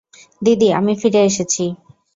দিদি, আমি ফিরে এসেছি।